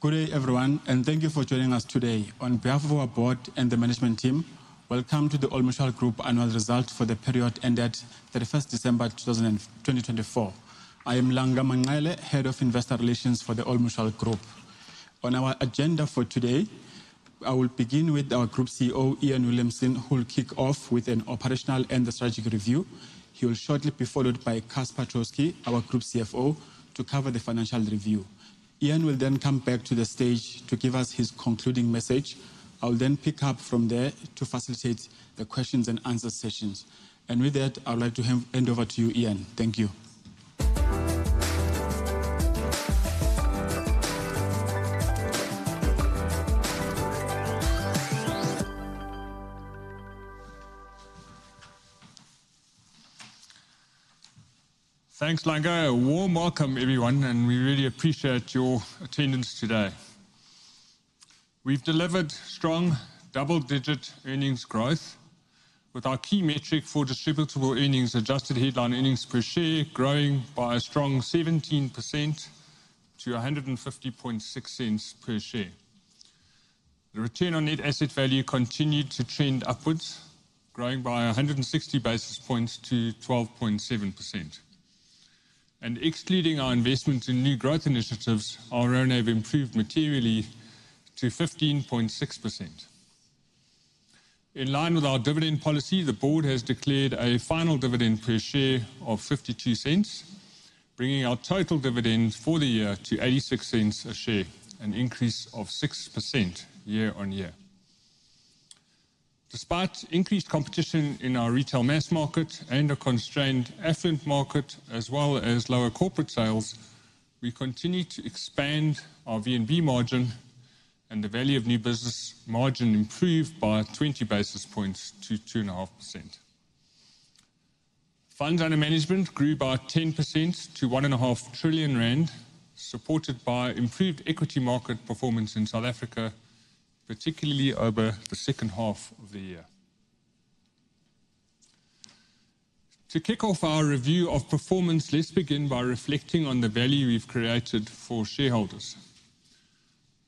Good day, everyone, and thank you for joining us today. On behalf of our board and the management team, welcome to the Old Mutual Group annual result for the period ended 31st December 2024. I am Langa Manqele, Head of Investor Relations for the Old Mutual Group. On our agenda for today, I will begin with our Group CEO, Iain Williamson, who will kick off with an operational and strategic review. He will shortly be followed by Casper Troskie, our Group CFO, to cover the financial review. Iain will then come back to the stage to give us his concluding message. I'll then pick up from there to facilitate the questions and answer sessions. With that, I'd like to hand over to you, Iain. Thank you. Thanks, Langa. Warm welcome, everyone, and we really appreciate your attendance today. We've delivered strong double-digit earnings growth, with our key metric for distributable earnings, Adjusted Headline Earnings per share, growing by a strong 17% to ZAR 1.506 per share. The Return on Net Asset Value continued to trend upwards, growing by 160 basis points to 12.7%. Excluding our investments in new growth initiatives, our earnings have improved materially to 15.6%. In line with our dividend policy, the board has declared a final dividend per share of 0.52, bringing our total dividend for the year to 0.86 a share, an increase of 6% year on year. Despite increased competition in our Retail Mass market and a constrained affluent market, as well as lower Corporate sales, we continue to expand our VNB margin, and the Value of New Business margin improved by 20 basis points to 2.5%. Funds under management grew by 10% to 1.5 trillion rand, supported by improved equity market performance in South Africa, particularly over the second half of the year. To kick off our review of performance, let's begin by reflecting on the value we've created for shareholders.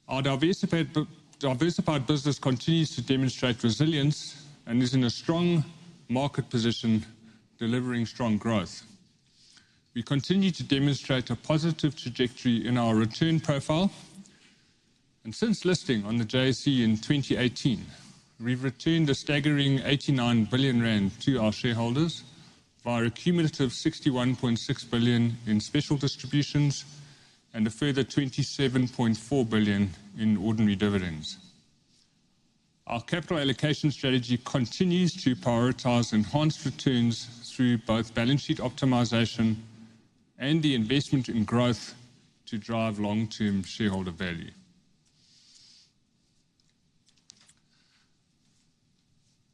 Our diversified business continues to demonstrate resilience and is in a strong market position, delivering strong growth. We continue to demonstrate a positive trajectory in our return profile. Since listing on the JSE in 2018, we've returned a staggering 89 billion rand to our shareholders via a cumulative 61.6 billion in special distributions and a further 27.4 billion in ordinary dividends. Our capital allocation strategy continues to prioritize enhanced returns through both balance sheet optimization and the investment in growth to drive long-term shareholder value.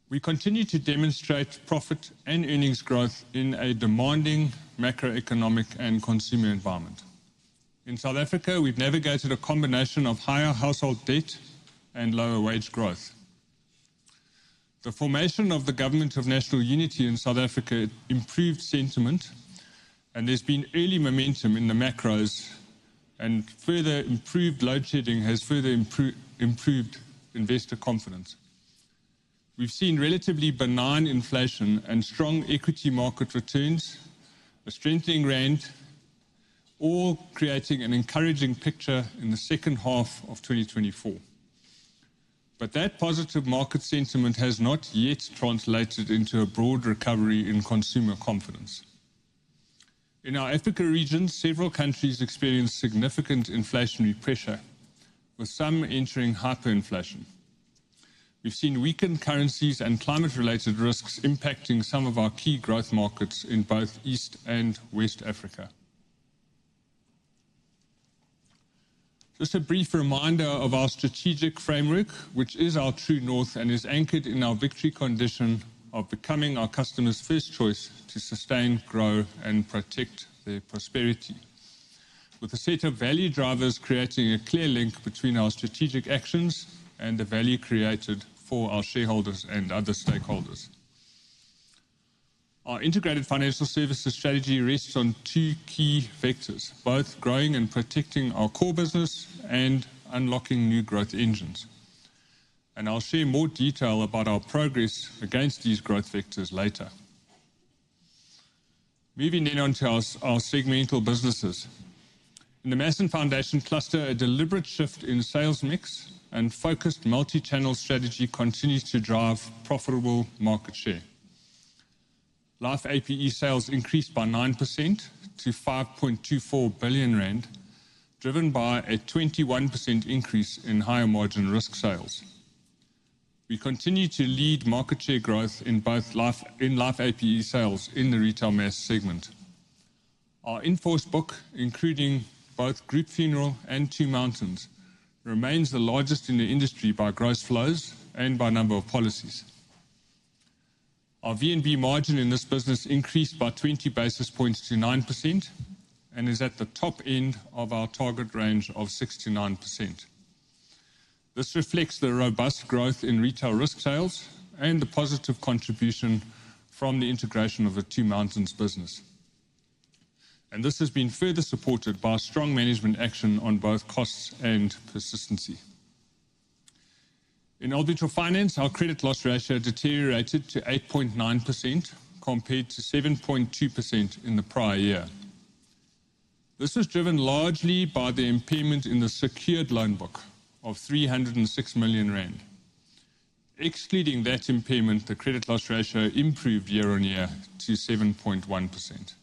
We continue to demonstrate profit and earnings growth in a demanding macroeconomic and consumer environment. In South Africa, we've navigated a combination of higher household debt and lower wage growth. The formation of the Government of National Unity in South Africa improved sentiment, and there's been early momentum in the macros, and further improved load shedding has further improved investor confidence. We've seen relatively benign inflation and strong equity market returns, a strengthening rand, all creating an encouraging picture in the second half of 2024. That positive market sentiment has not yet translated into a broad recovery in consumer confidence. In our Africa region, several countries experienced significant inflationary pressure, with some entering hyperinflation. We've seen weakened currencies and climate-related risks impacting some of our key growth markets in both East and West Africa. Just a brief reminder of our strategic framework, which is our true north and is anchored in our victory condition of becoming our customers' first choice to sustain, grow, and protect their prosperity, with a set of value drivers creating a clear link between our strategic actions and the value created for our shareholders and other stakeholders. Our integrated financial services strategy rests on two key vectors, both growing and protecting our core business and unlocking new growth engines. I will share more detail about our progress against these growth vectors later. Moving then on to our segmental businesses. In the Mass and Foundation Cluster, a deliberate shift in sales mix and focused multi-channel strategy continue to drive profitable market share. Life APE sales increased by 9% to 5.24 billion rand, driven by a 21% increase in higher margin risk sales. We continue to lead market share growth in both Life APE sales in the Retail Mass segment. Our in-force book, including both Group Funeral and Two Mountains, remains the largest in the industry by gross flows and by number of policies. Our VNB margin in this business increased by 20 basis points to 9% and is at the top end of our target range of 6%-9%. This reflects the robust growth in retail risk sales and the positive contribution from the integration of the Two Mountains business. This has been further supported by strong management action on both costs and persistency. In Old Mutual Finance, our credit loss ratio deteriorated to 8.9% compared to 7.2% in the prior year. This was driven largely by the impairment in the secured loan book of 306 million rand. Excluding that impairment, the credit loss ratio improved year on year to 7.1%.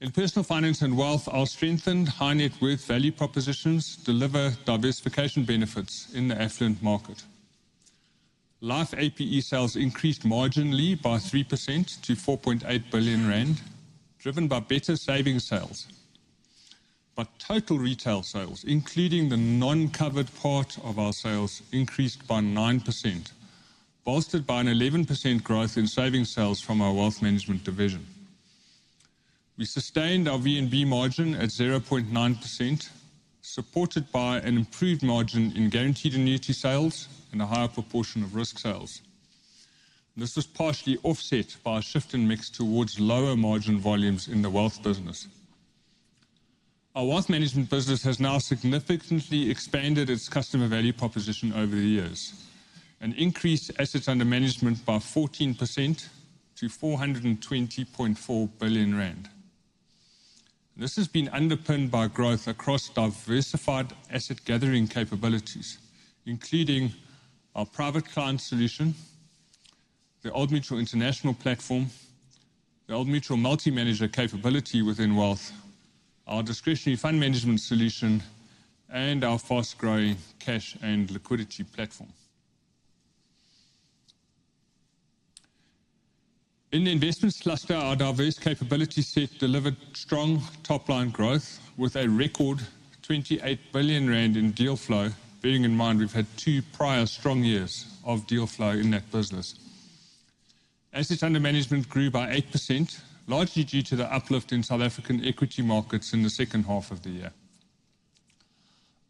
In Personal Finance and Wealth, our strengthened high net worth value propositions deliver diversification benefits in the affluent market. Life APE sales increased marginally by 3% to 4.8 billion rand, driven by better savings sales. Total retail sales, including the non-covered part of our sales, increased by 9%, bolstered by an 11% growth in savings sales from our Wealth Management Division. We sustained our VNB margin at 0.9%, supported by an improved margin in guaranteed annuity sales and a higher proportion of risk sales. This was partially offset by a shift in mix towards lower margin volumes in the Wealth business. Our Wealth Management Business has now significantly expanded its customer value proposition over the years, and increased assets under management by 14% to 420.4 billion rand. This has been underpinned by growth across diversified asset gathering capabilities, including our private client solution, the Old Mutual International platform, the Old Mutual Multi-Manager capability within Wealth, our discretionary fund management solution, and our fast-growing cash and liquidity platform. In the Investments Cluster, our diverse capability set delivered strong top-line growth with a record 28 billion rand in deal flow, bearing in mind we've had two prior strong years of deal flow in that business. Assets under management grew by 8%, largely due to the uplift in South African equity markets in the second half of the year.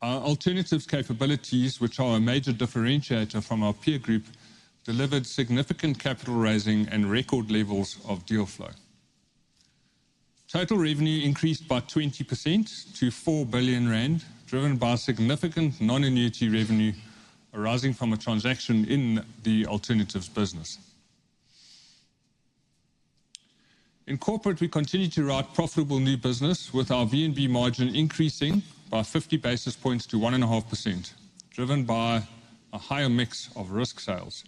Our Alternatives capabilities, which are a major differentiator from our peer group, delivered significant capital raising and record levels of deal flow. Total revenue increased by 20% to 4 billion rand, driven by significant non-annuity revenue arising from a transaction in the Alternatives business. In Corporate, we continue to write profitable new business, with our VNB margin increasing by 50 basis points to 1.5%, driven by a higher mix of risk sales.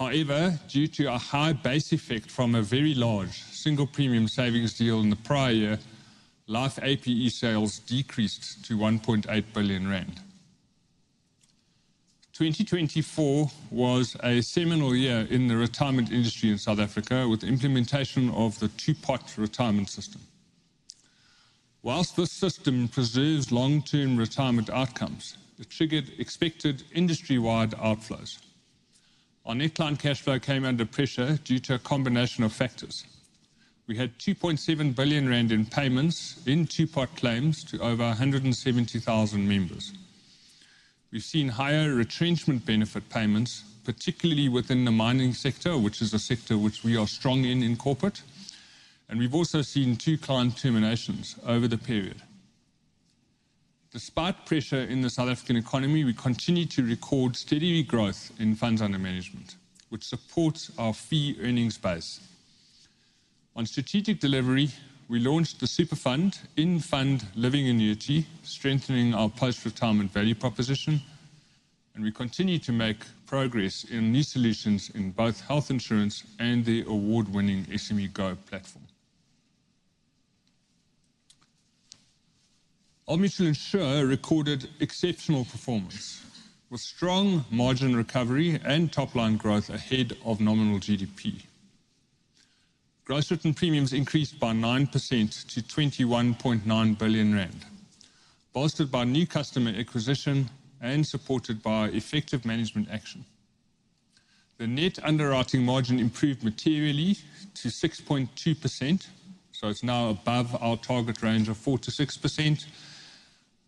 However, due to a high base effect from a very large single premium savings deal in the prior year, Life APE sales decreased to 1.8 billion rand. 2024 was a seminal year in the retirement industry in South Africa with the implementation of the Two-Pot retirement system. Whilst this system preserves long-term retirement outcomes, it triggered expected industry-wide outflows. Our net client cash flow came under pressure due to a combination of factors. We had 2.7 billion rand in payments in Two-Pot claims to over 170,000 members. We have seen higher retrenchment benefit payments, particularly within the mining sector, which is a sector which we are strong in in Corporate, and we have also seen two client terminations over the period. Despite pressure in the South African economy, we continue to record steady growth in funds under management, which supports our fee earnings base. On strategic delivery, we launched the SuperFund In-Fund Living Annuity, strengthening our post-retirement value proposition, and we continue to make progress in new solutions in both health insurance and the award-winning SMEgo platform. Old Mutual Insure recorded exceptional performance with strong margin recovery and top-line growth ahead of nominal GDP. Gross written premiums increased by 9% to 21.9 billion rand, bolstered by new customer acquisition and supported by effective management action. The net underwriting margin improved materially to 6.2%, it is now above our target range of 4%-6%,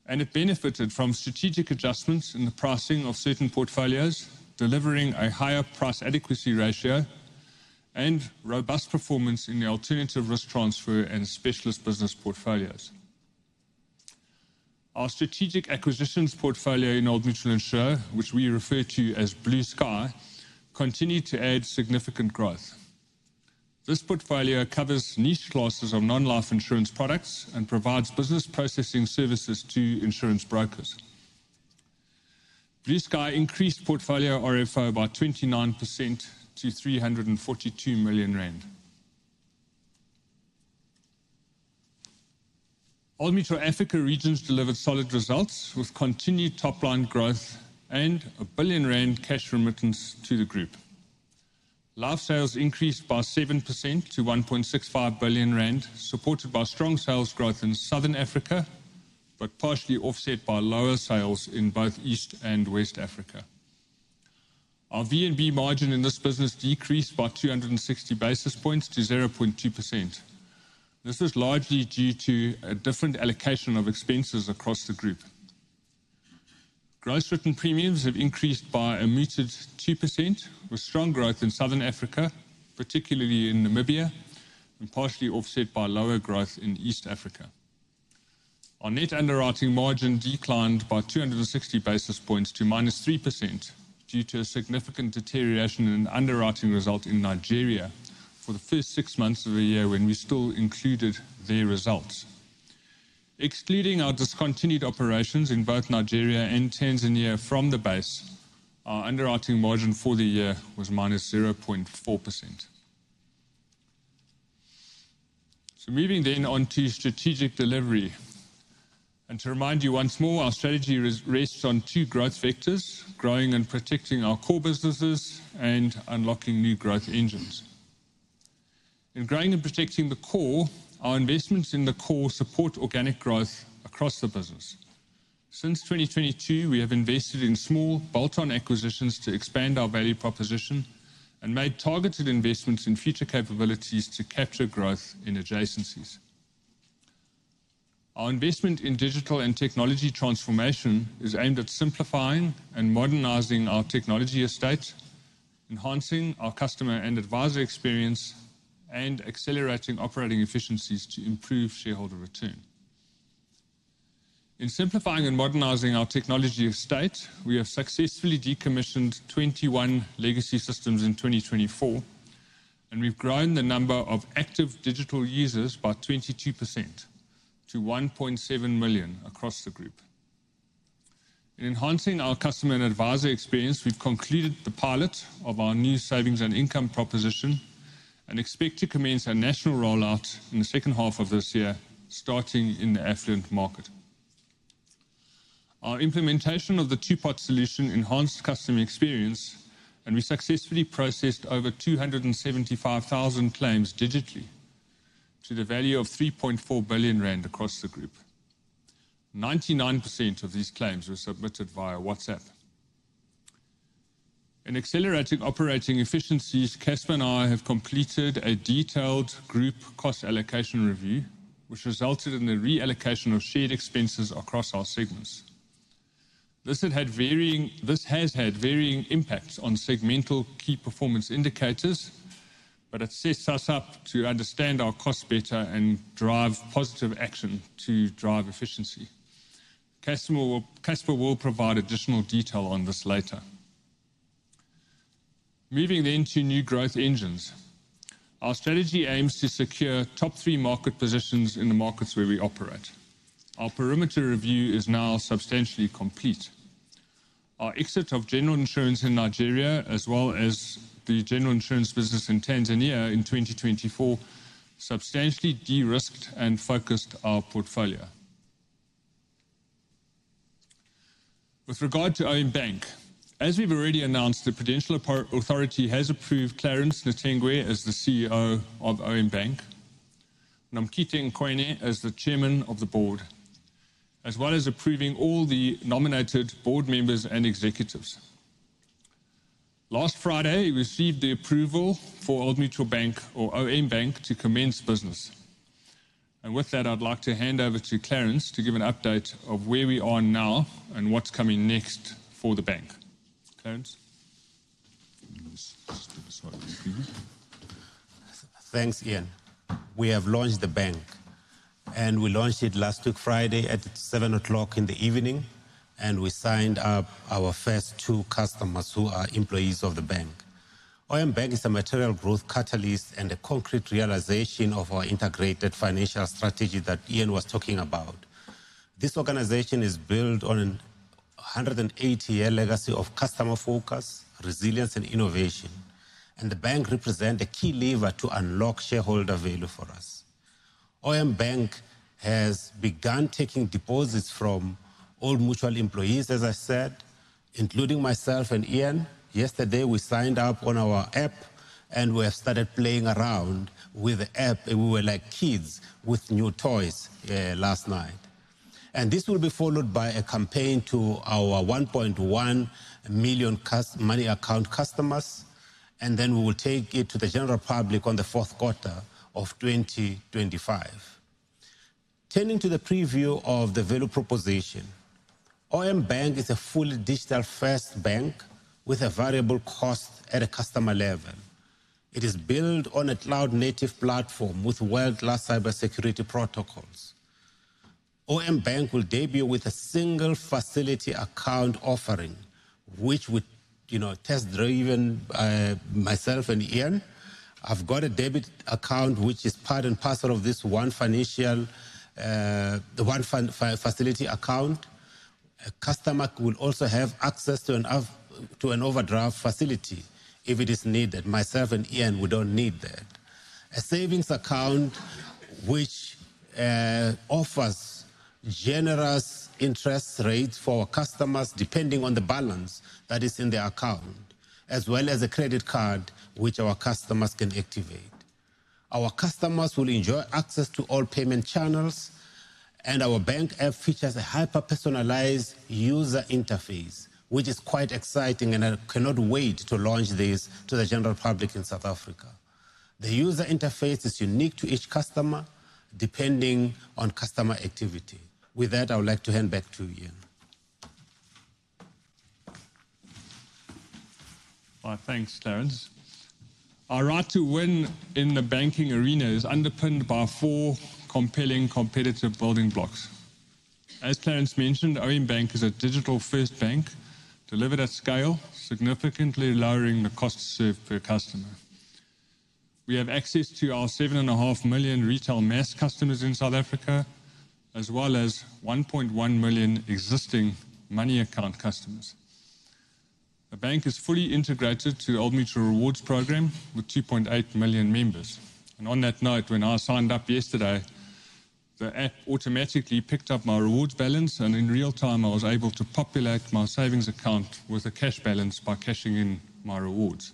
and it benefited from strategic adjustments in the pricing of certain portfolios, delivering a higher price adequacy ratio and robust performance in the alternative risk transfer and specialist business portfolios. Our strategic acquisitions portfolio in Old Mutual Insure, which we refer to as Blue Sky, continued to add significant growth. This portfolio covers niche classes of non-life insurance products and provides business processing services to insurance brokers. Blue Sky increased portfolio RFO by 29% to ZAR 342 million. Old Mutual Africa Regions delivered solid results with continued top-line growth and a 1 billion rand cash remittance to the group. Life sales increased by 7% to 1.65 billion rand, supported by strong sales growth in Southern Africa, but partially offset by lower sales in both East and West Africa. Our VNB margin in this business decreased by 260 basis points to 0.2%. This is largely due to a different allocation of expenses across the group. Gross written premiums have increased by a muted 2%, with strong growth in Southern Africa, particularly in Namibia, and partially offset by lower growth in East Africa. Our net underwriting margin declined by 260 basis points to -3% due to a significant deterioration in underwriting result in Nigeria for the first six months of the year when we still included their results. Excluding our discontinued operations in both Nigeria and Tanzania from the base, our underwriting margin for the year was -0.4%. Moving then on to strategic delivery. To remind you once more, our strategy rests on two growth vectors: growing and protecting our core businesses and unlocking new growth engines. In growing and protecting the core, our investments in the core support organic growth across the business. Since 2022, we have invested in small bolt-on acquisitions to expand our value proposition and made targeted investments in future capabilities to capture growth in adjacencies. Our investment in digital and technology transformation is aimed at simplifying and modernizing our technology estate, enhancing our customer and advisor experience, and accelerating operating efficiencies to improve shareholder return. In simplifying and modernizing our technology estate, we have successfully decommissioned 21 legacy systems in 2024, and we've grown the number of active digital users by 22% to 1.7 million across the group. In enhancing our customer and advisor experience, we've concluded the pilot of our new savings and income proposition and expect to commence a national rollout in the second half of this year, starting in the affluent market. Our implementation of the Two-Pot solution enhanced customer experience, and we successfully processed over 275,000 claims digitally to the value of 3.4 billion rand across the group. 99% of these claims were submitted via WhatsApp. In accelerating operating efficiencies, Casper and I have completed a detailed group cost allocation review, which resulted in the reallocation of shared expenses across our segments. This has had varying impacts on segmental key performance indicators, but it sets us up to understand our costs better and drive positive action to drive efficiency. Casper will provide additional detail on this later. Moving then to new growth engines. Our strategy aims to secure top three market positions in the markets where we operate. Our perimeter review is now substantially complete. Our exit of general insurance in Nigeria, as well as the general insurance business in Tanzania in 2024, substantially de-risked and focused our portfolio. With regard to OM Bank, as we've already announced, the Prudential Authority has approved Clarence Nethengwe as the CEO of OM Bank, Nomkhita Nqweni as the Chairman of the Board, as well as approving all the nominated board members and executives. Last Friday, we received the approval for Old Mutual Bank, or OM Bank, to commence business. With that, I'd like to hand over to Clarence to give an update of where we are now and what's coming next for the bank. Clarence. Thanks, Iain. We have launched the bank, and we launched it last Friday at 7:00 P.M., and we signed up our first two customers who are employees of the bank. OM Bank is a material growth catalyst and a concrete realization of our integrated financial strategy that Iain was talking about. This organization is built on a 180-year legacy of customer focus, resilience, and innovation, and the bank represents a key lever to unlock shareholder value for us. OM Bank has begun taking deposits from Old Mutual employees, as I said, including myself and Iain. Yesterday, we signed up on our app, and we have started playing around with the app, and we were like kids with new toys last night. This will be followed by a campaign to our 1.1 million Money Account customers, and then we will take it to the general public in the fourth quarter of 2025. Turning to the preview of the value proposition, OM Bank is a fully digital-first bank with a variable cost at a customer level. It is built on a cloud-native platform with world-class cybersecurity protocols. OM Bank will debut with a single facility account offering, which we tested even myself and Iain. I've got a debit account, which is part and parcel of this one facility account. A customer will also have access to an overdraft facility if it is needed. Myself and Iain, we do not need that. A savings account, which offers generous interest rates for our customers depending on the balance that is in their account, as well as a credit card, which our customers can activate. Our customers will enjoy access to all payment channels, and our bank app features a hyper-personalized user interface, which is quite exciting, and I cannot wait to launch this to the general public in South Africa. The user interface is unique to each customer depending on customer activity. With that, I would like to hand back to Iain. Thanks, Clarence. Our right to win in the banking arena is underpinned by four compelling competitive building blocks. As Clarence mentioned, OM Bank is a digital-first bank delivered at scale, significantly lowering the costs per customer. We have access to our 7.5 million Retail Mass customers in South Africa, as well as 1.1 million existing Money Account customers. The bank is fully integrated to Old Mutual Rewards program with 2.8 million members. When I signed up yesterday, the app automatically picked up my rewards balance, and in real time, I was able to populate my savings account with a cash balance by cashing in my rewards.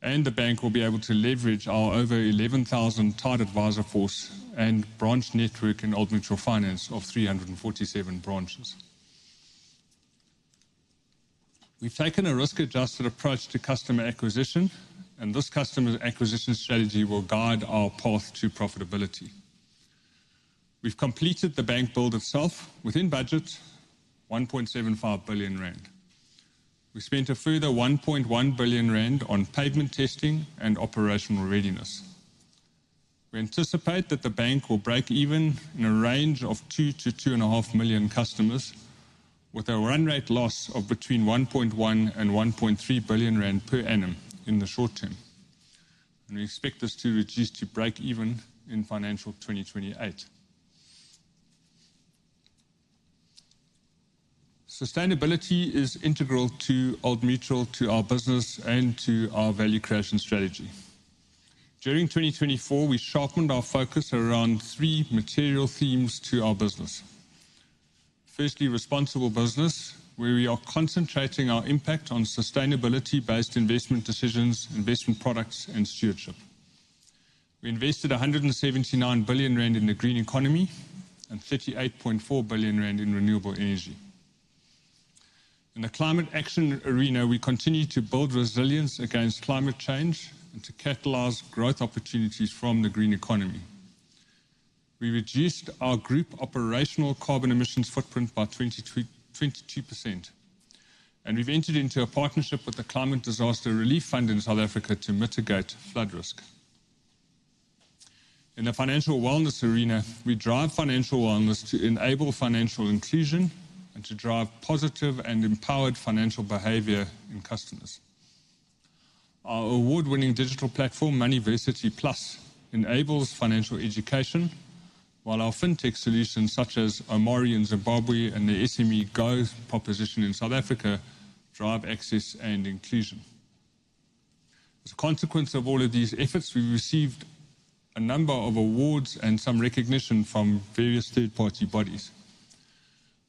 The bank will be able to leverage our over 11,000 tied advisor force and branch network in Old Mutual Finance of 347 branches. We've taken a risk-adjusted approach to customer acquisition, and this customer acquisition strategy will guide our path to profitability. We've completed the bank build itself within budget, 1.75 billion rand. We spent a further 1.1 billion rand on payment testing and operational readiness. We anticipate that the bank will break even in a range of 2-2.5 million customers, with a run rate loss of between 1.1 billion and 1.3 billion rand per annum in the short term. We expect this to reduce to break even in financial 2028. Sustainability is integral to Old Mutual, to our business, and to our value creation strategy. During 2024, we sharpened our focus around three material themes to our business. Firstly, responsible business, where we are concentrating our impact on sustainability-based investment decisions, investment products, and stewardship. We invested 179 billion rand in the green economy and 38.4 billion rand in renewable energy. In the climate action arena, we continue to build resilience against climate change and to catalyze growth opportunities from the green economy. We reduced our group operational carbon emissions footprint by 22%, and we've entered into a partnership with the Climate Disaster Relief Fund in South Africa to mitigate flood risk. In the financial wellness arena, we drive financial wellness to enable financial inclusion and to drive positive and empowered financial behavior in customers. Our award-winning digital platform, Moneyversity Plus, enables financial education, while our fintech solutions such as O'mari in Zimbabwe and the SMEgo proposition in South Africa drive access and inclusion. As a consequence of all of these efforts, we've received a number of awards and some recognition from various third-party bodies.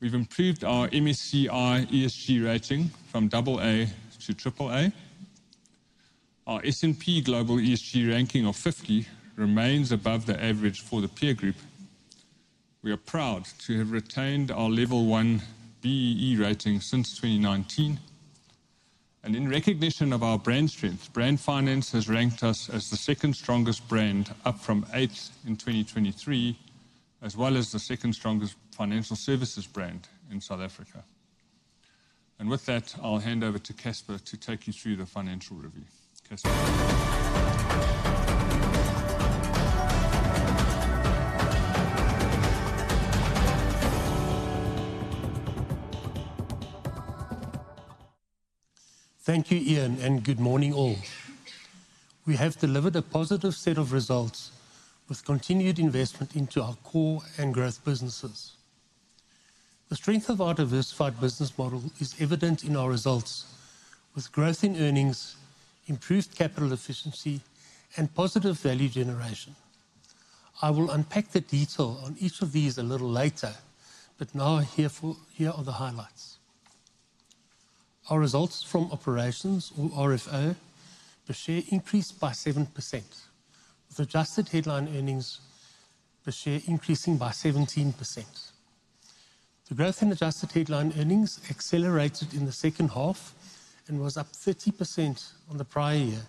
It improved our MSCI ESG rating from AA to AAA. Our S&P Global ESG ranking of 50 remains above the average for the peer group. We are proud to have retained our level one BEE rating since 2019. In recognition of our brand strength, Brand Finance has ranked us as the second strongest brand, up from eighth in 2023, as well as the second strongest financial services brand in South Africa. With that, I will hand over to Casper to take you through the financial review. Thank you, Iain, and good morning all. We have delivered a positive set of results with continued investment into our core and growth businesses. The strength of our diversified business model is evident in our results, with growth in earnings, improved capital efficiency, and positive value generation. I will unpack the detail on each of these a little later, but now here are the highlights. Our Results from Operations, or RFO, per share increased by 7%, with Adjusted Headline Earnings per share increasing by 17%. The growth in Adjusted Headline Earnings accelerated in the second half and was up 30% on the prior year,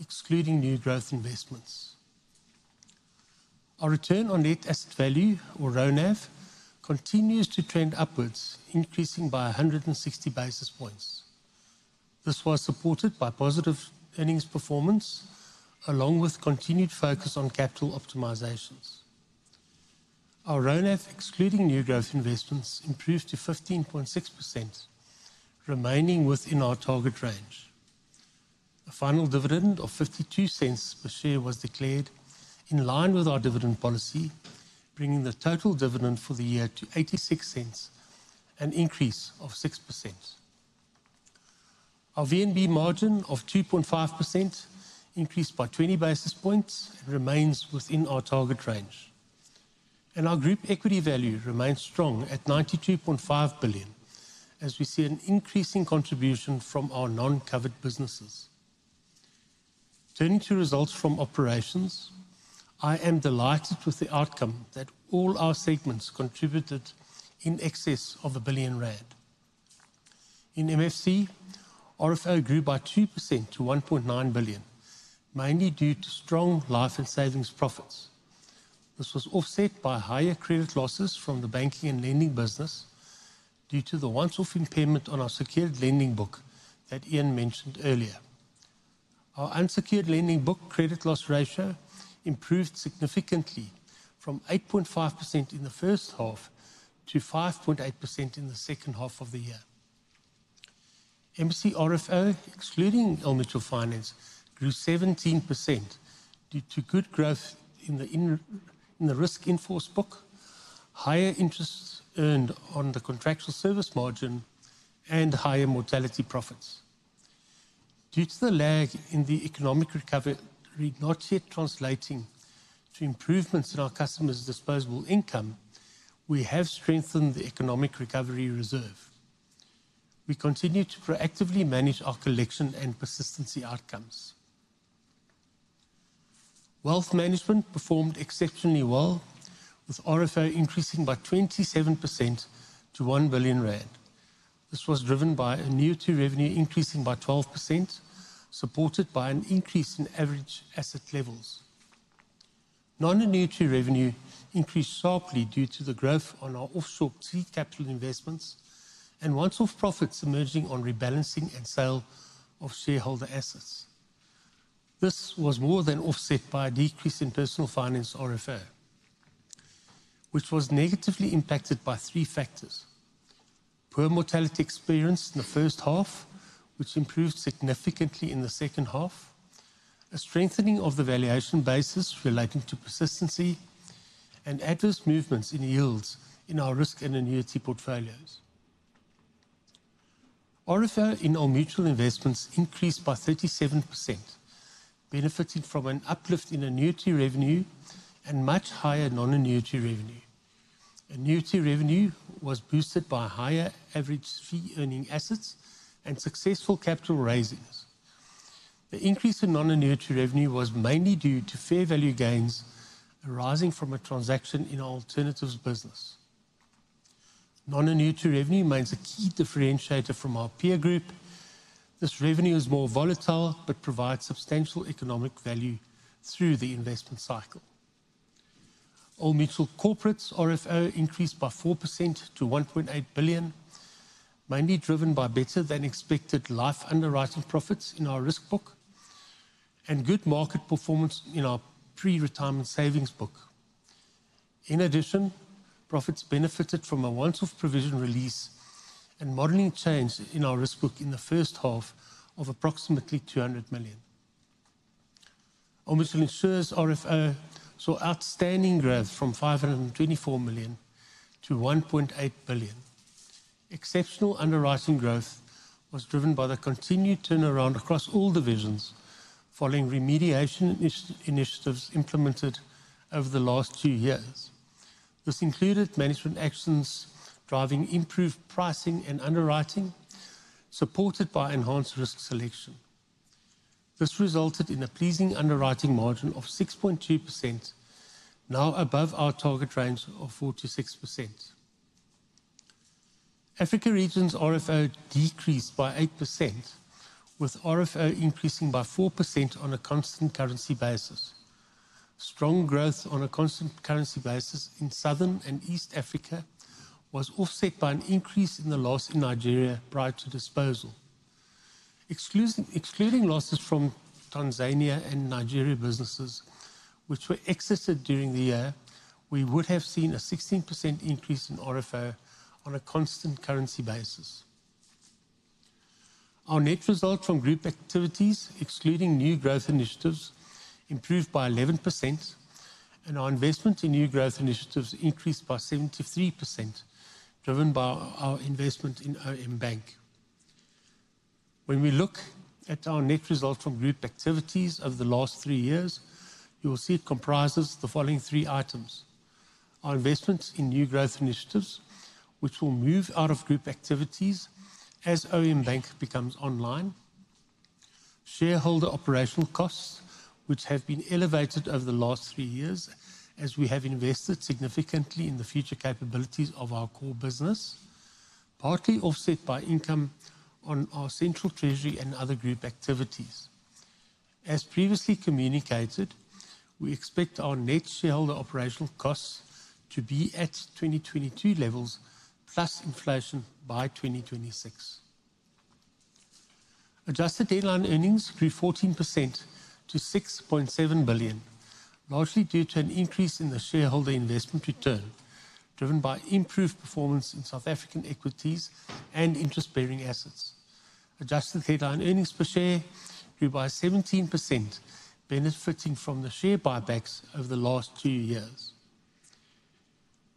excluding new growth investments. Our Return on Net Asset Value, or RONAV, continues to trend upwards, increasing by 160 basis points. This was supported by positive earnings performance, along with continued focus on capital optimizations. Our RONAV, excluding new growth investments, improved to 15.6%, remaining within our target range. A final dividend of 0.52 per share was declared, in line with our dividend policy, bringing the total dividend for the year to 0.86 and an increase of 6%. Our VNB margin of 2.5% increased by 20 basis points and remains within our target range. Our Group Equity Value remains strong at 92.5 billion, as we see an increasing contribution from our non-covered businesses. Turning to Results from Operations, I am delighted with the outcome that all our segments contributed in excess of 1 billion rand. In MFC, RFO grew by 2% to 1.9 billion, mainly due to strong life and savings profits. This was offset by higher credit losses from the banking and lending business due to the once-off impairment on our secured lending book that Iain mentioned earlier. Our unsecured lending book credit loss ratio improved significantly from 8.5% in the first half to 5.8% in the second half of the year. MFC RFO, excluding Old Mutual Finance, grew 17% due to good growth in the risk-enforced book, higher interest earned on the Contractual Service Margin, and higher mortality profits. Due to the lag in the economic recovery not yet translating to improvements in our customers' disposable income, we have strengthened the economic recovery reserve. We continue to proactively manage our collection and persistency outcomes. Wealth Management performed exceptionally well, with RFO increasing by 27% to 1 billion rand. This was driven by a new-to-revenue increase by 12%, supported by an increase in average asset levels. Non-annuity revenue increased sharply due to the growth on our offshore capital investments and once-off profits emerging on rebalancing and sale of shareholder assets. This was more than offset by a decrease in Personal Finance RFO, which was negatively impacted by three factors: poor mortality experience in the first half, which improved significantly in the second half; a strengthening of the valuation basis relating to persistency; and adverse movements in yields in our risk and annuity portfolios. RFO in Old Mutual Investments increased by 37%, benefiting from an uplift in annuity revenue and much higher non-annuity revenue. Annuity revenue was boosted by higher average fee-earning assets and successful capital raisings. The increase in non-annuity revenue was mainly due to fair value gains arising from a transaction in our Alternatives business. Non-annuity revenue remains a key differentiator from our peer group. This revenue is more volatile but provides substantial economic value through the investment cycle. Old Mutual Corporate's RFO increased by 4% to 1.8 billion, mainly driven by better-than-expected life underwriting profits in our risk book and good market performance in our pre-retirement savings book. In addition, profits benefited from a once-off provision release and modeling change in our risk book in the first half of approximately 200 million. Old Mutual Insure's RFO saw outstanding growth from 524 million to 1.8 billion. Exceptional underwriting growth was driven by the continued turnaround across all divisions following remediation initiatives implemented over the last two years. This included management actions driving improved pricing and underwriting, supported by enhanced risk selection. This resulted in a pleasing underwriting margin of 6.2%, now above our target range of 4%-6%. Africa Regions' RFO decreased by 8%, with RFO increasing by 4% on a constant currency basis. Strong growth on a constant currency basis in Southern and East Africa was offset by an increase in the loss in Nigeria prior to disposal. Excluding losses from Tanzania and Nigeria businesses, which were exited during the year, we would have seen a 16% increase in RFO on a constant currency basis. Our net result from group activities, excluding new growth initiatives, improved by 11%, and our investment in new growth initiatives increased by 73%, driven by our investment in OM Bank. When we look at our net result from group activities over the last three years, you will see it comprises the following three items: our investments in new growth initiatives, which will move out of group activities as OM Bank becomes online; shareholder operational costs, which have been elevated over the last three years as we have invested significantly in the future capabilities of our core business, partly offset by income on our central treasury and other group activities. As previously communicated, we expect our net shareholder operational costs to be at 2022 levels plus inflation by 2026. Adjusted Headline Earnings grew 14% to 6.7 billion, largely due to an increase in the shareholder investment return driven by improved performance in South African equities and interest-bearing assets. Adjusted Headline Earnings per share grew by 17%, benefiting from the share buybacks over the last two years.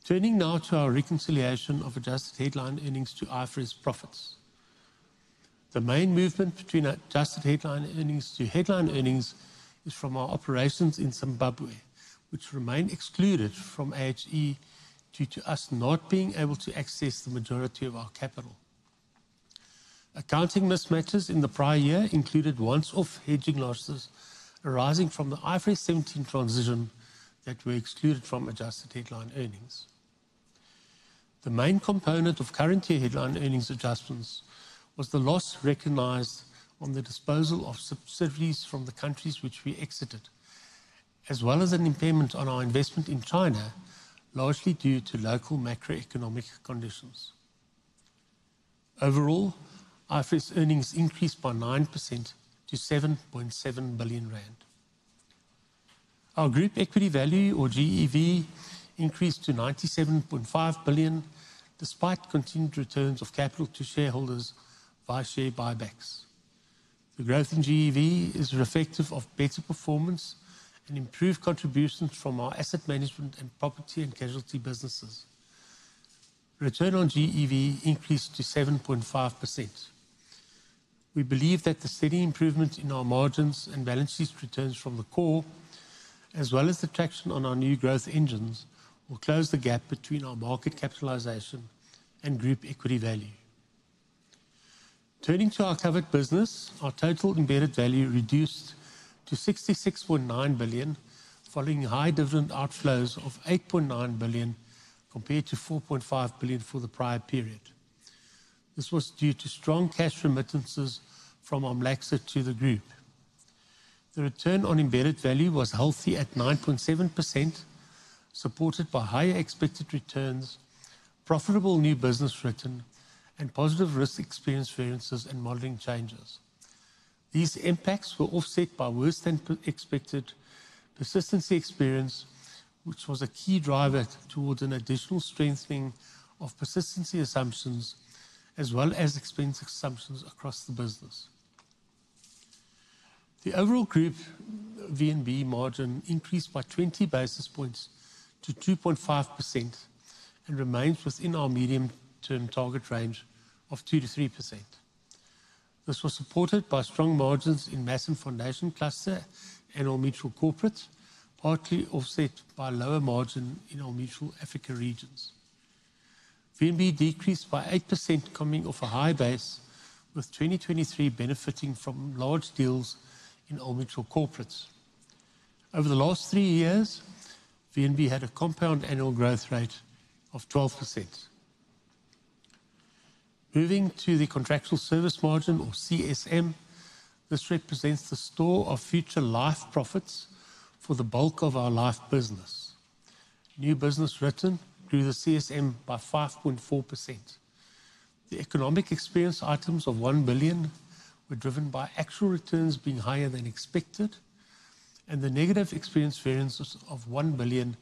Turning now to our reconciliation of Adjusted Headline Earnings to IFRS profits. The main movement between Adjusted Headline Earnings to headline earnings is from our operations in Zimbabwe, which remain excluded from AHE due to us not being able to access the majority of our capital. Accounting mismatches in the prior year included once-off hedging losses arising from the IFRS 17 transition that were excluded from Adjusted Headline Earnings. The main component of current year headline earnings adjustments was the loss recognized on the disposal of subsidiaries from the countries which we exited, as well as an impairment on our investment in China, largely due to local macroeconomic conditions. Overall, IFRS earnings increased by 9% to 7.7 billion rand. Our Group Equity Value, or GEV, increased to 97.5 billion despite continued returns of capital to shareholders via share buybacks. The growth in GEV is reflective of better performance and improved contributions from our asset management and property and casualty businesses. Return on GEV increased to 7.5%. We believe that the steady improvement in our margins and balance sheet returns from the core, as well as the traction on our new growth engines, will close the gap between our market capitalization and Group Equity Value. Turning to our covered business, our total embedded value reduced to 66.9 billion, following high dividend outflows of 8.9 billion compared to 4.5 billion for the prior period. This was due to strong cash remittances from OMLACSA to the group. The return on embedded value was healthy at 9.7%, supported by higher expected returns, profitable new business return, and positive risk experience variances and modeling changes. These impacts were offset by worse-than-expected persistency experience, which was a key driver towards an additional strengthening of persistency assumptions, as well as expense assumptions across the business. The overall group VNB margin increased by 20 basis points to 2.5% and remains within our medium-term target range of 2%-3%. This was supported by strong margins in Mass and Foundation Cluster and Old Mutual Corporate, partly offset by lower margin in Old Mutual Africa Regions. VNB decreased by 8% coming off a high base, with 2023 benefiting from large deals in Old Mutual Corporate. Over the last three years, VNB had a compound annual growth rate of 12%. Moving to the Contractual Service Margin, or CSM, this represents the store of future life profits for the bulk of our life business. New business return grew the CSM by 5.4%. The economic experience items of 1 billion were driven by actual returns being higher than expected, and the negative experience variances of 1 billion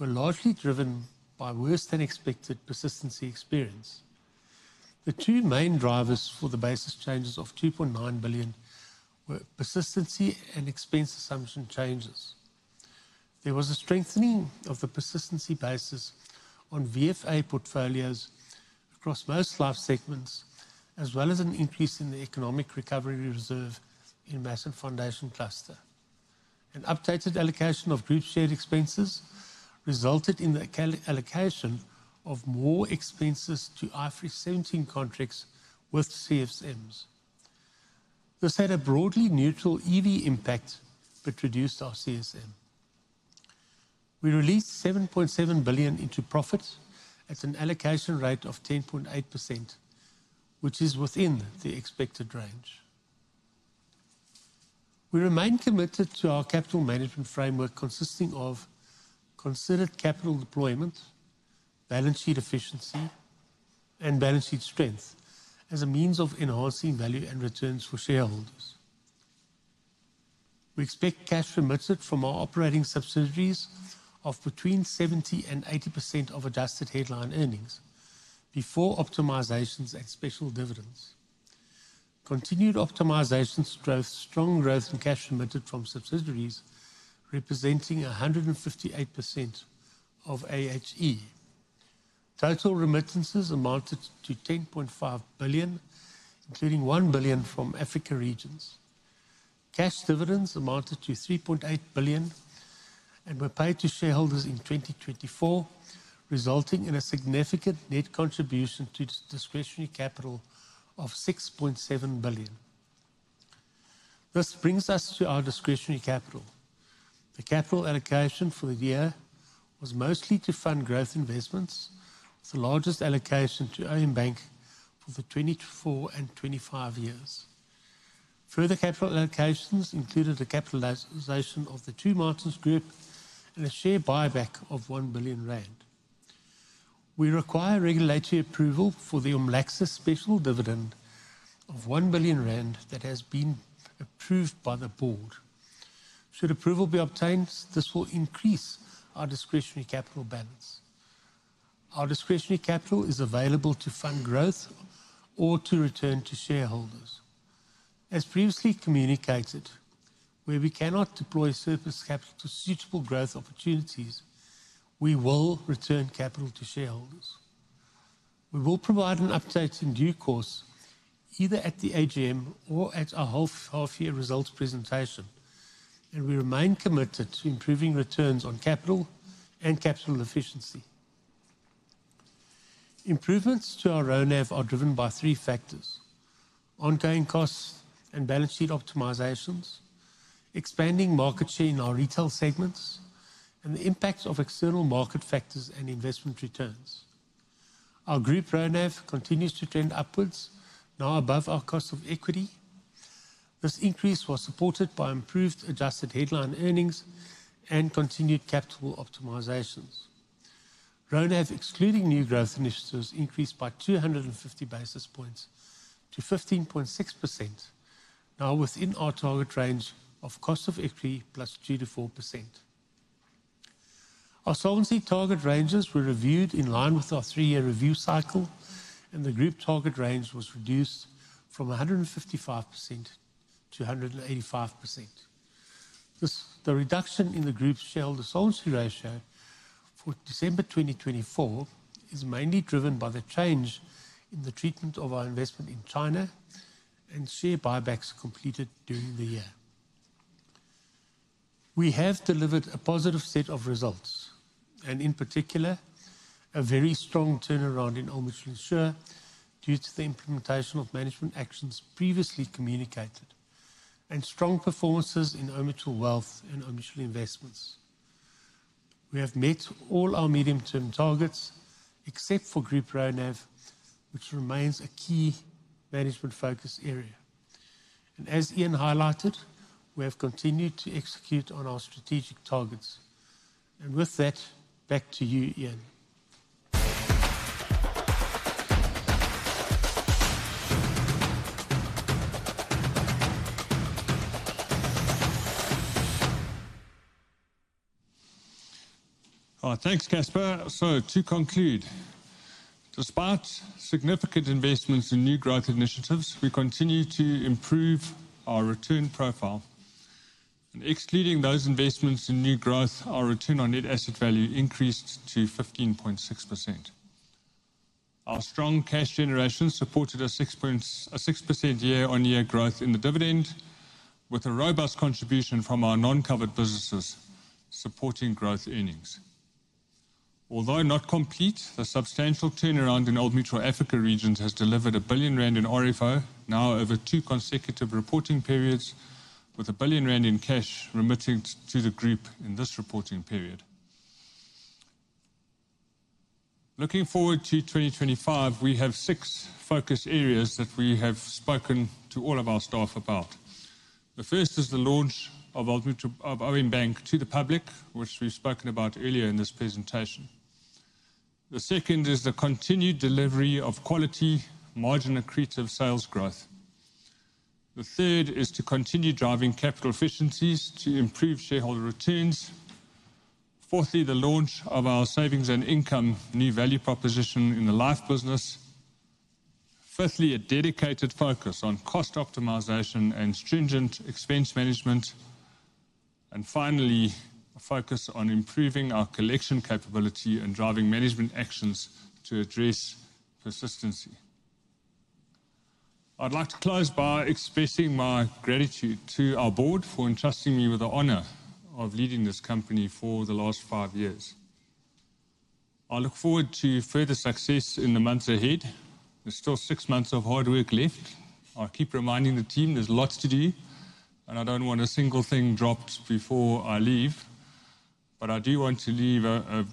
were largely driven by worse-than-expected persistency experience. The two main drivers for the basis changes of 2.9 billion were persistency and expense assumption changes. There was a strengthening of the persistency basis on VFA portfolios across most life segments, as well as an increase in the economic recovery reserve in Mass and Foundation Cluster. An updated allocation of group shared expenses resulted in the allocation of more expenses to IFRS 17 contracts with CSMs. This had a broadly neutral EV impact but reduced our CSM. We released 7.7 billion into profits at an allocation rate of 10.8%, which is within the expected range. We remain committed to our capital management framework consisting of considered capital deployment, balance sheet efficiency, and balance sheet strength as a means of enhancing value and returns for shareholders. We expect cash remittance from our operating subsidiaries of between 70% and 80% of Adjusted Headline Earnings before optimizations and special dividends. Continued optimizations drove strong growth in cash remittance from subsidiaries, representing 158% of AHE. Total remittances amounted to 10.5 billion, including 1 billion from Africa Regions. Cash dividends amounted to 3.8 billion and were paid to shareholders in 2024, resulting in a significant net contribution to discretionary capital of 6.7 billion. This brings us to our discretionary capital. The capital allocation for the year was mostly to fund growth investments, with the largest allocation to OM Bank for the 2024 and 2025 years. Further capital allocations included a capitalization of the Two Mountains Group and a share buyback of 1 billion rand. We require regulatory approval for the OMLACSA special dividend of 1 billion rand that has been approved by the board. Should approval be obtained, this will increase our discretionary capital balance. Our discretionary capital is available to fund growth or to return to shareholders. As previously communicated, where we cannot deploy surplus capital to suitable growth opportunities, we will return capital to shareholders. We will provide an update in due course, either at the AGM or at our half-year results presentation, and we remain committed to improving returns on capital and capital efficiency. Improvements to our RONAV are driven by three factors: ongoing costs and balance sheet optimizations, expanding market share in our retail segments, and the impact of external market factors and investment returns. Our group RONAV continues to trend upwards, now above our cost of equity. This increase was supported by improved Adjusted Headline Earnings and continued capital optimizations. RONAV, excluding new growth initiatives, increased by 250 basis points to 15.6%, now within our target range of cost of equity plus 2%-4%. Our solvency target ranges were reviewed in line with our three-year review cycle, and the group target range was reduced from 155%-185%. The reduction in the group shareholder solvency ratio for December 2024 is mainly driven by the change in the treatment of our investment in China and share buybacks completed during the year. We have delivered a positive set of results, and in particular, a very strong turnaround in Old Mutual Insure due to the implementation of management actions previously communicated and strong performances in Old Mutual Wealth and Old Mutual Investments. We have met all our medium-term targets, except for group RONAV, which remains a key management focus area. As Iain highlighted, we have continued to execute on our strategic targets. With that, back to you, Iain. Thanks, Casper. To conclude, despite significant investments in new growth initiatives, we continue to improve our return profile. Excluding those investments in new growth, our Return on Net Asset Value increased to 15.6%. Our strong cash generation supported a 6% year-on-year growth in the dividend, with a robust contribution from our non-covered businesses supporting growth earnings. Although not complete, the substantial turnaround in Old Mutual Africa Regions has delivered 1 billion rand in RFO, now over two consecutive reporting periods, with 1 billion rand in cash remitted to the group in this reporting period. Looking forward to 2025, we have six focus areas that we have spoken to all of our staff about. The first is the launch of OM Bank to the public, which we've spoken about earlier in this presentation. The second is the continued delivery of quality, margin accretive sales growth. The third is to continue driving capital efficiencies to improve shareholder returns. Fourthly, the launch of our savings and income new value proposition in the life business. Fifthly, a dedicated focus on cost optimization and stringent expense management. Finally, a focus on improving our collection capability and driving management actions to address persistency. I'd like to close by expressing my gratitude to our board for entrusting me with the honor of leading this company for the last five years. I look forward to further success in the months ahead. There's still six months of hard work left. I keep reminding the team there's lots to do, and I don't want a single thing dropped before I leave. I do want to leave a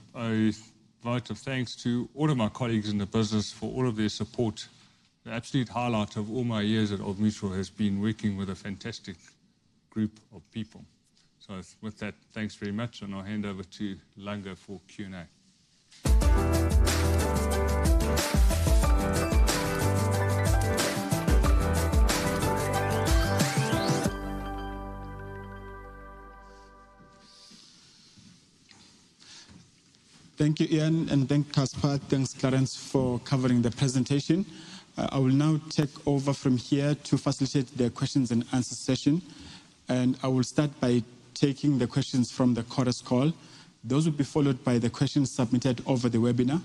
vote of thanks to all of my colleagues in the business for all of their support. The absolute highlight of all my years at Old Mutual has been working with a fantastic group of people. With that, thanks very much, and I'll hand over to Langa for Q&A. Thank you, Iain, and thanks, Casper, thanks, Clarence, for covering the presentation. I will now take over from here to facilitate the questions and answer session, and I will start by taking the questions from the Chorus Call. Those will be followed by the questions submitted over the webinar.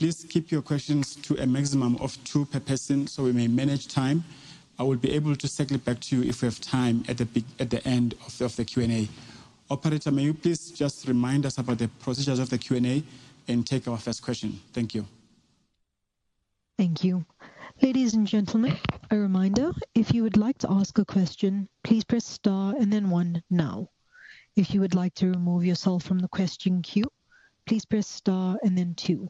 Please keep your questions to a maximum of two per person so we may manage time. I will be able to circle back to you if we have time at the end of the Q&A. Operator, may you please just remind us about the procedures of the Q&A and take our first question. Thank you. Thank you. Ladies and gentlemen, a reminder, if you would like to ask a question, please press star and then one now. If you would like to remove yourself from the question queue, please press star and then two.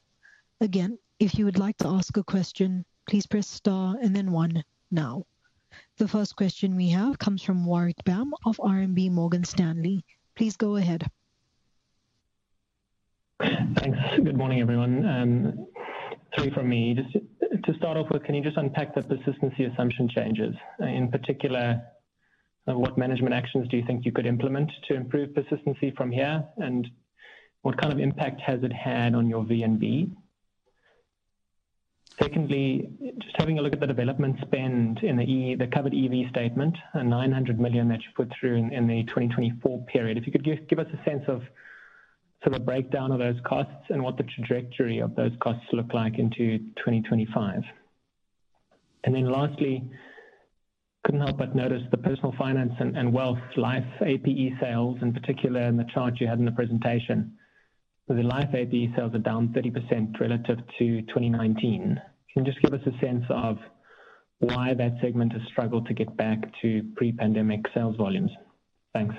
Again, if you would like to ask a question, please press star and then one now. The first question we have comes from Warwick Bam of RMB Morgan Stanley. Please go ahead. Thanks. Good morning, everyone. Three from me. To start off with, can you just unpack the persistency assumption changes? In particular, what management actions do you think you could implement to improve persistency from here? What kind of impact has it had on your VNB? Secondly, just having a look at the development spend in the covered EV statement, a 900 million that you put through in the 2024 period. If you could give us a sense of sort of a breakdown of those costs and what the trajectory of those costs look like into 2025. Lastly, could not help but notice the Personal Finance and Wealth Life APE sales, in particular, in the chart you had in the presentation. The Life APE sales are down 30% relative to 2019. Can you just give us a sense of why that segment has struggled to get back to pre-pandemic sales volumes? Thanks.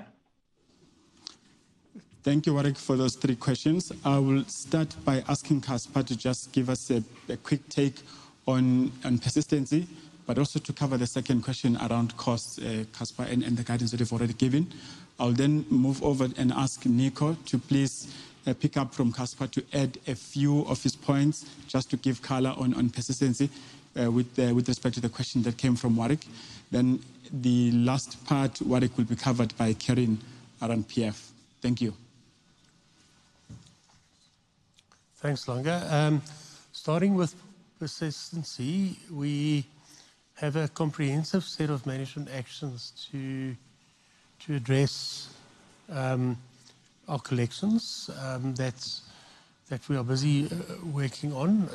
Thank you, Warwick, for those three questions. I will start by asking Casper to just give us a quick take on persistency, but also to cover the second question around cost, Casper, and the guidance that you've already given. I'll then move over and ask Nico to please pick up from Casper to add a few of his points just to give color on persistency with respect to the question that came from Warwick. The last part, Warwick, will be covered by Kerrin Land. Thank you. Thanks, Langa. Starting with persistency, we have a comprehensive set of management actions to address our collections that we are busy working on.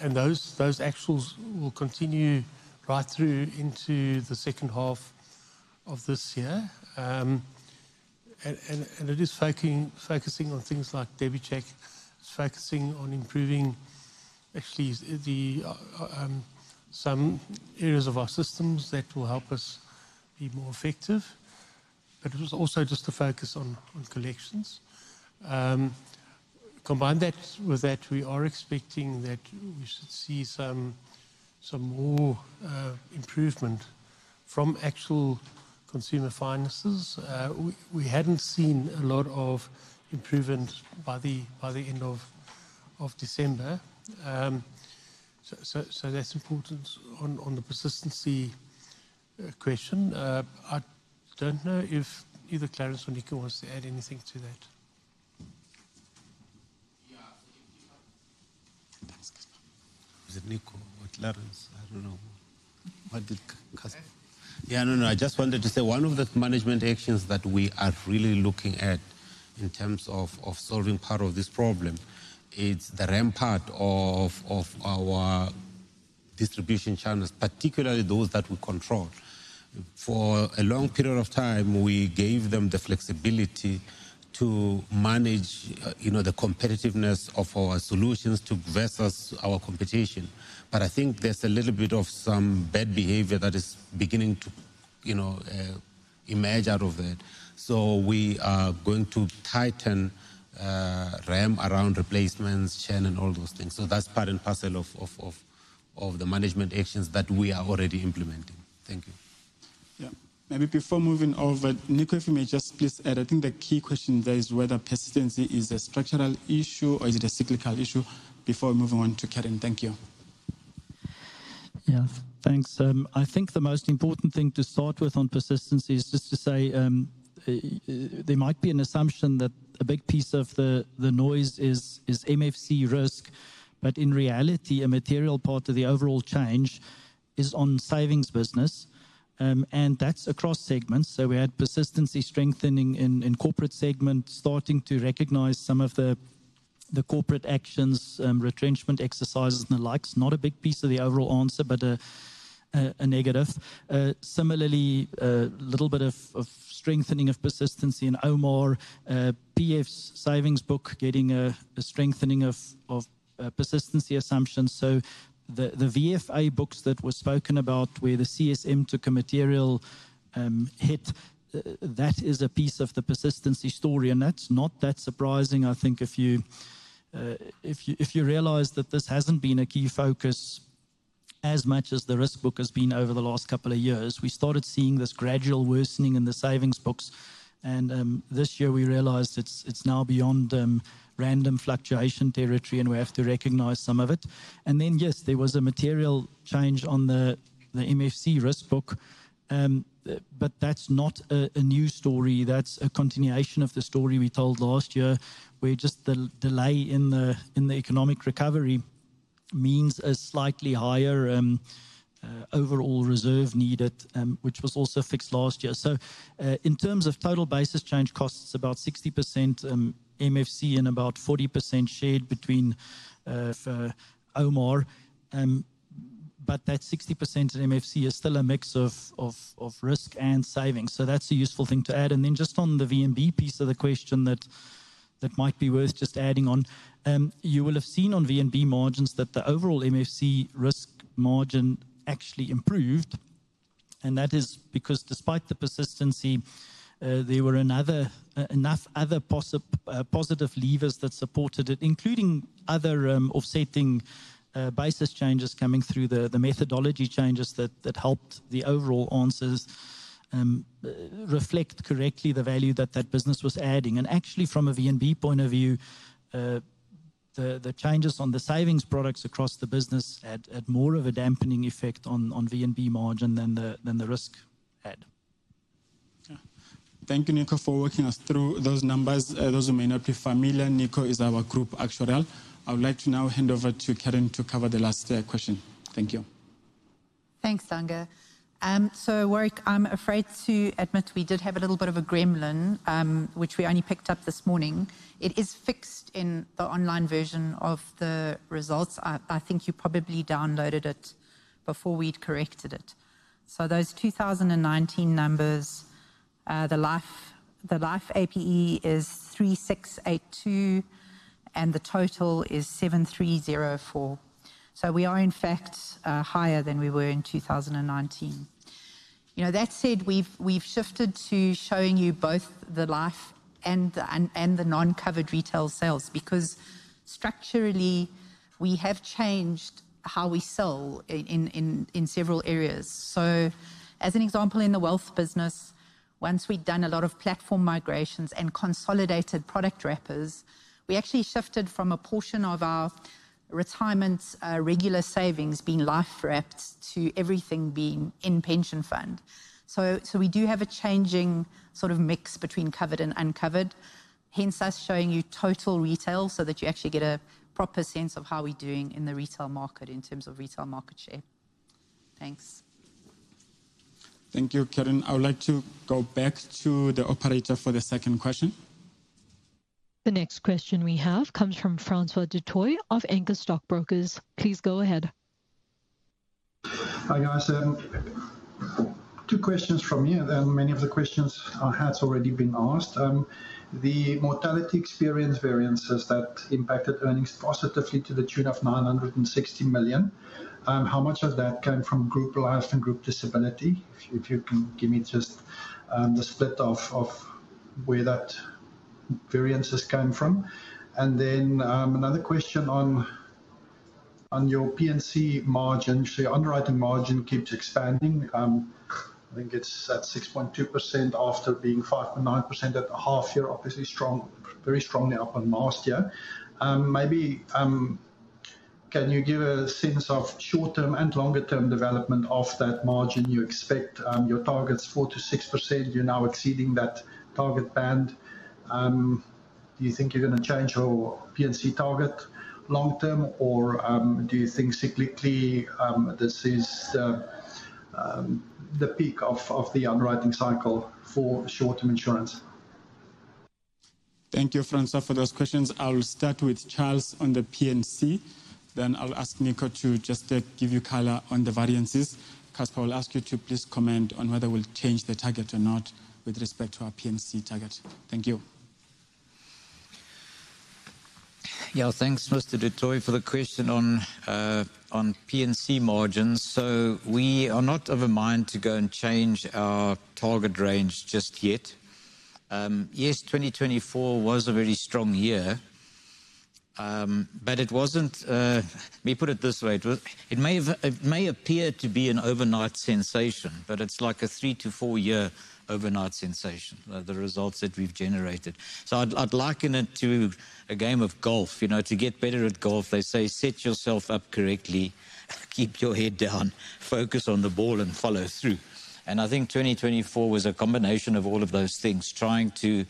Those actuals will continue right through into the second half of this year. It is focusing on things like DebiCheck. It is focusing on improving, actually, some areas of our systems that will help us be more effective. It was also just to focus on collections. Combined with that, we are expecting that we should see some more improvement from actual consumer finances. We had not seen a lot of improvement by the end of December. That is important on the persistency question. I do not know if either Clarence or Nico wants to add anything to that. Yeah. Was it Nico or Clarence? I do not know. Yeah, no, no. I just wanted to say one of the management actions that we are really looking at in terms of solving part of this problem is the ramp-up of our distribution channels, particularly those that we control. For a long period of time, we gave them the flexibility to manage the competitiveness of our solutions versus our competition. I think there is a little bit of some bad behavior that is beginning to emerge out of that. We are going to tighten Rem around replacements, channel, and all those things. That is part and parcel of the management actions that we are already implementing. Thank you. Maybe before moving over, Nico, if you may just please add, I think the key question there is whether persistency is a structural issue or is it a cyclical issue before moving on to Kerrin. Thank you. Yeah, thanks. I think the most important thing to start with on persistency is just to say there might be an assumption that a big piece of the noise is MFC risk, but in reality, a material part of the overall change is on savings business. That is across segments. We had persistency strengthening in Corporate segments, starting to recognize some of the Corporate actions, retrenchment exercises, and the likes. Not a big piece of the overall answer, but a negative. Similarly, a little bit of strengthening of persistency in OMAR, PF's savings book getting a strengthening of persistency assumptions. The VFA books that were spoken about where the CSM took a material hit, that is a piece of the persistency story. That is not that surprising, I think, if you realize that this has not been a key focus as much as the risk book has been over the last couple of years. We started seeing this gradual worsening in the savings books. This year, we realized it is now beyond random fluctuation territory, and we have to recognize some of it. Yes, there was a material change on the MFC risk book. That is not a new story. That's a continuation of the story we told last year, where just the delay in the economic recovery means a slightly higher overall reserve needed, which was also fixed last year. In terms of total basis change costs, it's about 60% MFC and about 40% shared between OMAR. That 60% of MFC is still a mix of risk and savings. That's a useful thing to add. Just on the V&B piece of the question that might be worth just adding on, you will have seen on V&B margins that the overall MFC risk margin actually improved. That is because, despite the persistency, there were enough other positive levers that supported it, including other offsetting basis changes coming through the methodology changes that helped the overall answers reflect correctly the value that that business was adding. Actually, from a VNB point of view, the changes on the savings products across the business had more of a dampening effect on VNB margin than the risk had. Thank you, Nico, for walking us through those numbers. Those who may not be familiar, Nico is our Group Actuary. I would like to now hand over to Kerrin to cover the last question. Thank you. Thank you, Langa. Warwick, I'm afraid to admit we did have a little bit of a gremlin, which we only picked up this morning. It is fixed in the online version of the results. I think you probably downloaded it before we had corrected it. Those 2019 numbers, the Life APE is 3,682, and the total is 7,304. We are, in fact, higher than we were in 2019. That said, we've shifted to showing you both the life and the non-covered retail sales because, structurally, we have changed how we sell in several areas. As an example, in the Wealth business, once we'd done a lot of platform migrations and consolidated product wrappers, we actually shifted from a portion of our retirement regular savings being life wrapped to everything being in pension fund. We do have a changing sort of mix between covered and uncovered, hence us showing you total retail so that you actually get a proper sense of how we're doing in the retail market in terms of retail market share. Thanks. Thank you, Kerrin. I would like to go back to the operator for the second question. The next question we have comes from Francois du Toit of Anchor Stockbrokers. Please go ahead. Hi, guys. Two questions from me. Many of the questions I had already been asked. The mortality experience variances that impacted earnings positively to the tune of 960 million. How much of that came from group life and group disability? If you can give me just the split of where that variances came from. Another question on your P&C margin. Your underwriting margin keeps expanding. I think it's at 6.2% after being 5.9% at the half year, obviously very strongly up on last year. Maybe can you give a sense of short-term and longer-term development of that margin? You expect your target's 4%-6%. You're now exceeding that target band. Do you think you're going to change your P&C target long-term, or do you think cyclically this is the peak of the underwriting cycle for short-term insurance? Thank you, Francois, for those questions. I'll start with Charles on the P&C. I'll ask Nico to just give you color on the variances. Casper, I'll ask you to please comment on whether we'll change the target or not with respect to our P&C target. Thank you. Yeah, thanks, Mr. du Toit, for the question on P&C margins. We are not of a mind to go and change our target range just yet. Yes, 2024 was a very strong year, but it was not let me put it this way, it may appear to be an overnight sensation, but it is like a three to four-year overnight sensation, the results that we've generated. I would liken it to a game of golf. To get better at golf, they say, "Set yourself up correctly. Keep your head down. Focus on the ball and follow through." I think 2024 was a combination of all of those things, trying to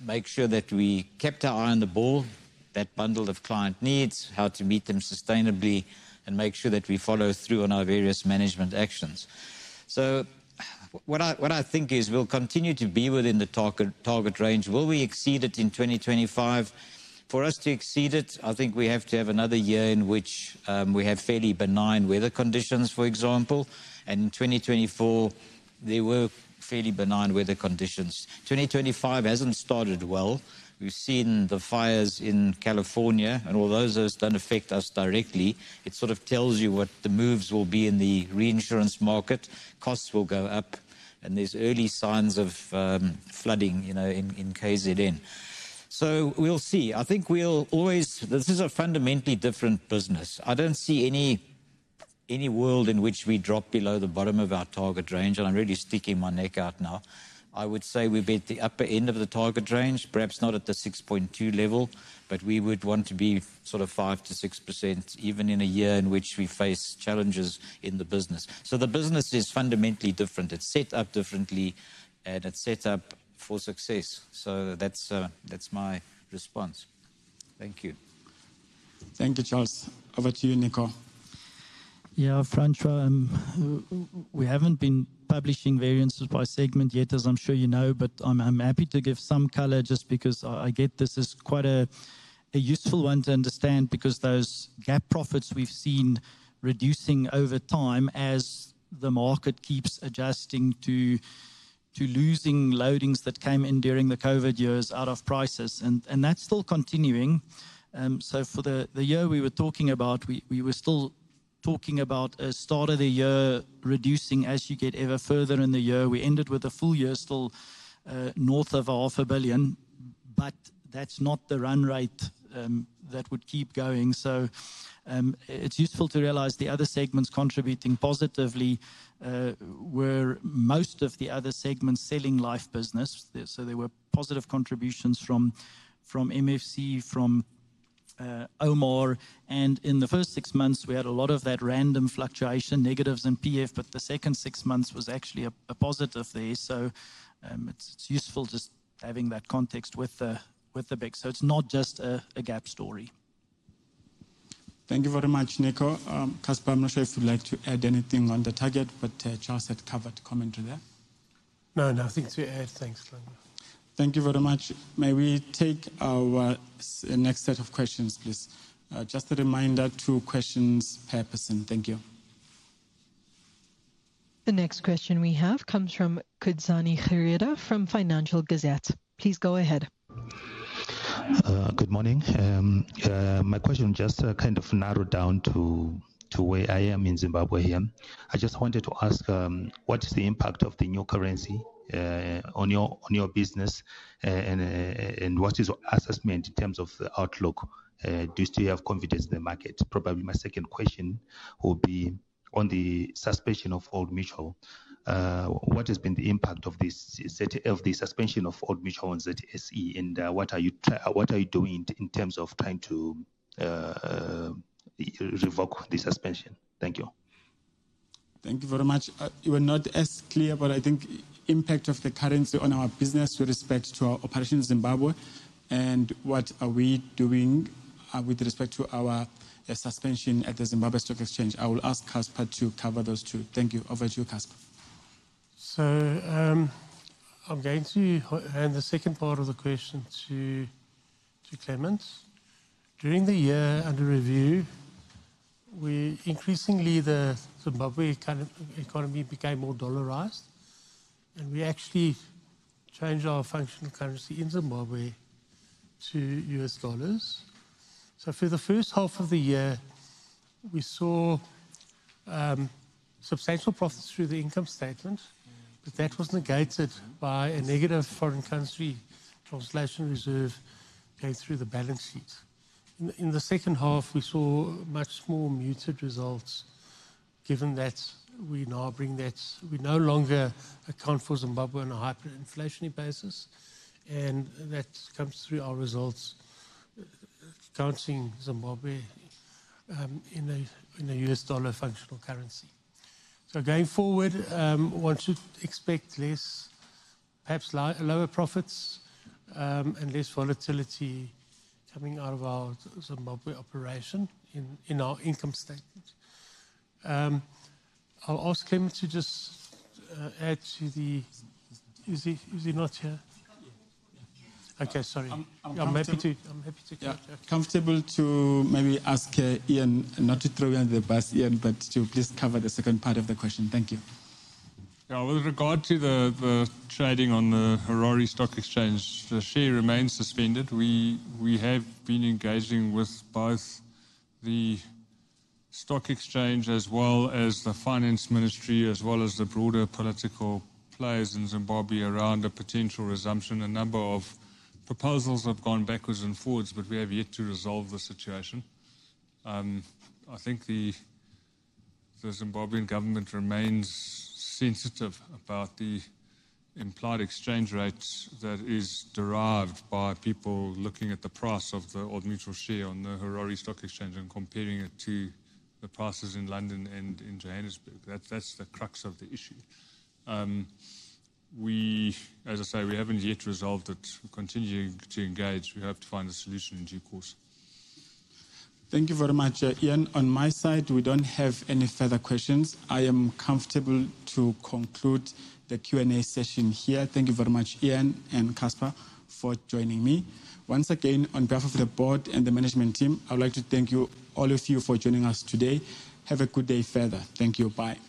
make sure that we kept our eye on the ball, that bundle of client needs, how to meet them sustainably, and make sure that we follow through on our various management actions. What I think is we'll continue to be within the target range. Will we exceed it in 2025? For us to exceed it, I think we have to have another year in which we have fairly benign weather conditions, for example. In 2024, there were fairly benign weather conditions. 2025 has not started well. We have seen the fires in California, and although those do not affect us directly, it sort of tells you what the moves will be in the reinsurance market. Costs will go up, and there are early signs of flooding in KwaZulu-Natal. We will see. I think we'll always this is a fundamentally different business. I don't see any world in which we drop below the bottom of our target range, and I'm really sticking my neck out now. I would say we're at the upper end of the target range, perhaps not at the 6.2% level, but we would want to be sort of 5-6% even in a year in which we face challenges in the business. The business is fundamentally different. It's set up differently, and it's set up for success. That's my response. Thank you. Thank you, Charles. Over to you, Nico. Yeah, Francois, we haven't been publishing variances by segment yet, as I'm sure you know, but I'm happy to give some color just because I get this is quite a useful one to understand because those Gap profits we've seen reducing over time as the market keeps adjusting to losing loadings that came in during the COVID years out of prices. That's still continuing. For the year we were talking about, we were still talking about a start of the year reducing as you get ever further in the year. We ended with a full year still north of $500,000, but that's not the run rate that would keep going. It's useful to realize the other segments contributing positively were most of the other segments selling life business. There were positive contributions from MFC, from OMAR. In the first six months, we had a lot of that random fluctuation, negatives in PF, but the second six months was actually a positive there. It is useful just having that context with the VIX. It is not just a gap story. Thank you very much, Nico. Casper, I am not sure if you would like to add anything on the target, but Charles had covered commentary there. No, nothing to add. Thanks, Langa. Thank you very much. May we take our next set of questions, please? Just a reminder, two questions per person. Thank you. The next question we have comes from Khuzani Kharida from Financial Gazette. Please go ahead. Good morning. My question just kind of narrowed down to where I am in Zimbabwe here. I just wanted to ask, what is the impact of the new currency on your business, and what is your assessment in terms of the outlook? Do you still have confidence in the market? Probably my second question will be on the suspension of Old Mutual. What has been the impact of the suspension of Old Mutual on ZSE, and what are you doing in terms of trying to revoke the suspension? Thank you. Thank you very much. You were not as clear about, I think, the impact of the currency on our business with respect to our operation in Zimbabwe and what are we doing with respect to our suspension at the Zimbabwe Stock Exchange. I will ask Casper to cover those two. Thank you. Over to you, Casper. I am going to hand the second part of the question to Clement. During the year under review, increasingly, the Zimbabwean economy became more dollarized, and we actually changed our functional currency in Zimbabwe to U.S. dollars. For the first half of the year, we saw substantial profits through the income statement, but that was negated by a negative foreign currency translation reserve going through the balance sheet. In the second half, we saw much more muted results given that we now bring that we no longer account for Zimbabwe on a hyperinflationary basis, and that comes through our results counting Zimbabwe in a U.S. dollar functional currency. Going forward, I want to expect less, perhaps lower profits and less volatility coming out of our Zimbabwe operation in our income statement. I'll ask him to just add to the is he not here? Okay, sorry. I'm happy to catch up. Comfortable to maybe ask Iain, not to throw you under the bus, Iain, but to please cover the second part of the question. Thank you. With regard to the trading on the Zimbabwe Stock Exchange, the share remains suspended. We have been engaging with both the Stock Exchange as well as the Finance Ministry, as well as the broader political players in Zimbabwe around a potential resumption. A number of proposals have gone backwards and forwards, but we have yet to resolve the situation. I think the Zimbabwean government remains sensitive about the implied exchange rate that is derived by people looking at the price of the Old Mutual share on the Zimbabwe Stock Exchange and comparing it to the prices in London and in Johannesburg. That is the crux of the issue. As I say, we have not yet resolved it. We are continuing to engage. We have to find a solution in due course. Thank you very much, Iain. On my side, we do not have any further questions. I am comfortable to conclude the Q&A session here. Thank you very much, Iain and Casper, for joining me. Once again, on behalf of the board and the management team, I would like to thank all of you for joining us today. Have a good day further. Thank you. Bye.